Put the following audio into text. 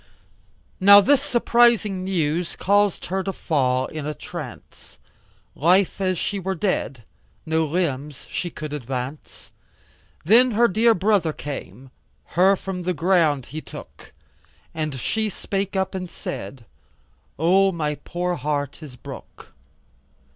Now this surprising news caus'd her fall in 'a trance, Life as she were dead, no limbs she could advance, Then her dear brother came, her from the ground he took And she spake up and said, O my poor heart is broke.